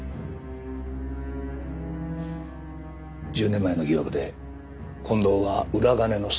１０年前の疑惑で近藤は裏金の送金係でした。